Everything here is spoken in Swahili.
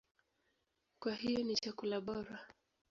Kwa hiyo ni chakula bora.